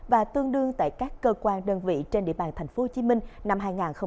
và tương đương tại các cơ quan đơn vị trên địa bàn tp hcm năm hai nghìn hai mươi